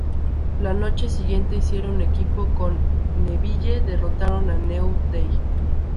La noche siguiente hicieron equipo con Neville derrotando a New Day.